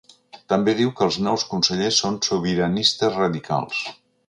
També diu que els nous consellers són ‘sobiranistes radicals’.